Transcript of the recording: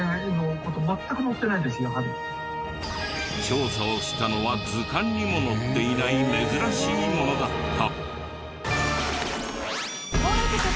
調査をしたのは図鑑にも載っていない珍しいものだった。